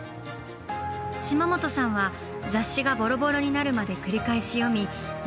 島本さんは雑誌がボロボロになるまで繰り返し読み模写を続けたそうです。